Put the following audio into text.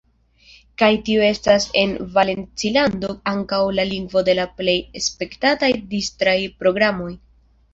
Kaj tiu estas en Valencilando ankaŭ la lingvo de la plej spektataj distraj programoj.